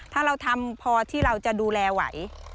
ถ้าเราทำพอที่เราจะดูแลไหว